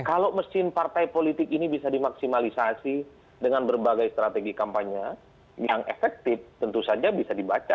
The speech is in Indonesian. kalau mesin partai politik ini bisa dimaksimalisasi dengan berbagai strategi kampanye yang efektif tentu saja bisa dibaca